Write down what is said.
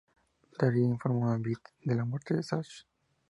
Daryl informa a Beth de la muerte de Zach.